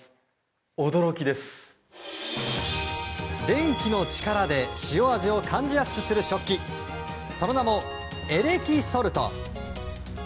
電気の力で塩味を感じやすくする食器その名もエレキソルト。